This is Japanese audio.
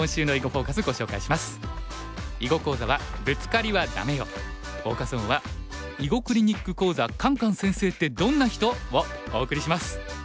フォーカス・オンは「囲碁クリニック講座カンカン先生ってどんな人？」をお送りします。